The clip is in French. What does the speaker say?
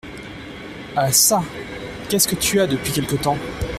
Ah ça ! qu’est-ce que tu as depuis quelque temps ?…